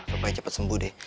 supaya cepet sembuh deh